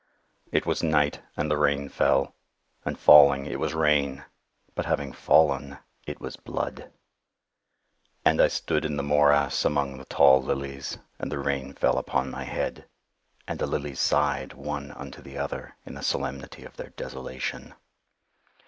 "It was night, and the rain fell; and falling, it was rain, but, having fallen, it was blood. And I stood in the morass among the tall and the rain fell upon my head—and the lilies sighed one unto the other in the solemnity of their desolation.